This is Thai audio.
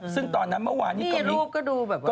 ซึ่งตอนนั้นเมื่อวานนี้ก็รูปก็ดูแบบว่า